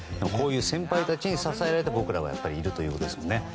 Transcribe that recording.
こういう先輩たちに支えられて僕らはいるということですよね。